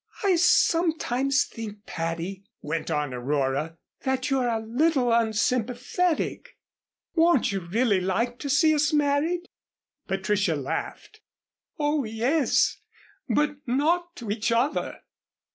"I sometimes think, Patty," went on Aurora, "that you're a little unsympathetic. Won't you really like to see us married?" Patricia laughed. "Oh, yes but not to each other."